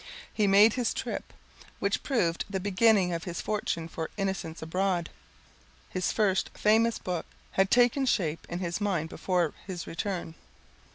He made his trip, which proved the beginning of his fortune, for "Innocents Abroad," his first famous book, had taken shape in his mind before his return.